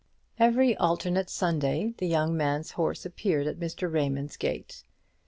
Every alternate Sunday the young man's horse appeared at Mr. Raymond's gate.